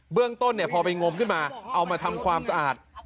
เรื่องต้นพอไปงมขึ้นมาเอามาทำความสะอาด